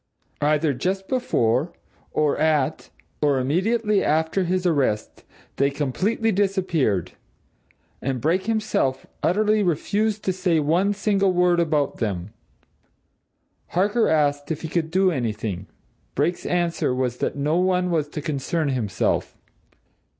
Either just before, or at, or immediately after his arrest they completely disappeared and Brake himself utterly refused to say one single word about them. Harker asked if he could do anything Brake's answer was that no one was to concern himself.